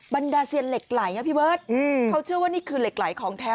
บรรดาเซียนเหล็กไหลอ่ะพี่เบิร์ตเขาเชื่อว่านี่คือเหล็กไหลของแท้